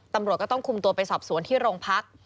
ตำรวจก็ต้องคุมตัวไปสอบสวนที่โรงพัก